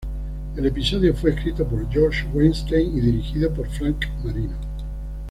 El episodio fue escrito por Josh Weinstein y dirigida por Frank Marino.